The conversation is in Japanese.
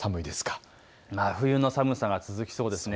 真冬の寒さが続きそうです。